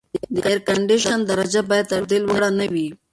د اېرکنډیشن درجه باید تر دې لوړه نه وي.